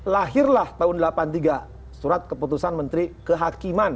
lahirlah tahun seribu sembilan ratus delapan puluh tiga surat keputusan menteri kehakiman